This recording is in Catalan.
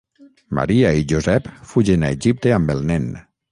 Maria i Josep fugen a Egipte amb el nen.